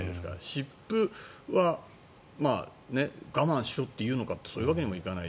湿布は我慢しろと言うのかといったらそういうわけにもいかない。